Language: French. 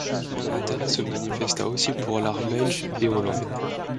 Mais un intérêt se manifesta aussi pour l'art belge et hollandais.